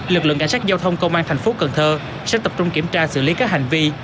lực lượng cảnh sát giao thông công an thành phố cần thơ sẽ tập trung kiểm tra xử lý các hành vi